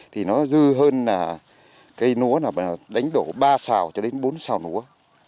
thì nó dư hơn là cây núa là đánh đổ ba xào cho đến bốn xào lúa